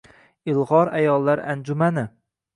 Ilg‘or ayollar anjumani